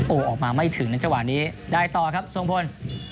โอ้ออกมาไม่ถึงนะเจ้าหวานนี้ได้ต่อครับส่งผล